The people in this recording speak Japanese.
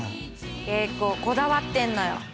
結構こだわってんのよ。